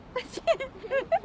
フフフ。